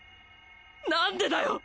なんでだよ！